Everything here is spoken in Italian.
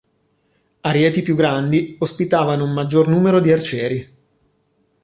Arieti più grandi ospitavano un maggior numero di arcieri.